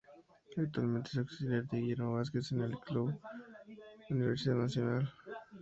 Actualmente, es auxiliar de Guillermo Vázquez en el equipo Club Universidad Nacional.